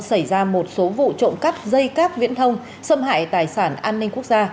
xảy ra một số vụ trộm cắp dây cáp viễn thông xâm hại tài sản an ninh quốc gia